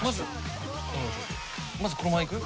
まずこのままいく？